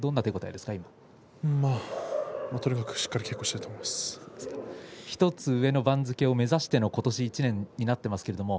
しっかり稽古を１つ上の番付を目指しての今年１年になっています。